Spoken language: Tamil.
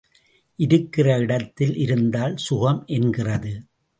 இருக்கிற இடத்தில் இருந்தால் சுகம் என்கிறது.